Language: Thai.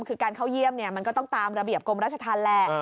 ที่การเข้าเยี่ยมเนี่ยมันก็ต้องตามระเบียบกรมรัชทานแรก